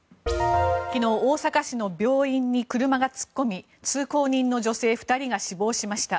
昨日、大阪市の病院に車が突っ込み通行人の女性２人が死亡しました。